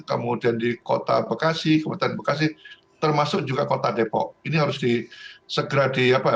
kemudian di kota bekasi kabupaten bekasi termasuk juga kota depok ini harus di segera di apa